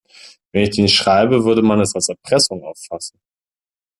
Wenn ich denen schreibe, würde man es als Erpressung auffassen.